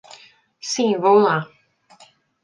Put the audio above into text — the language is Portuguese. Sim, vou lá.